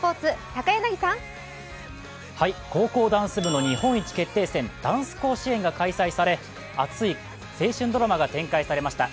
高校ダンス部の日本一決定戦、ダンス甲子園が開催され、熱い青春ドラマが展開されました。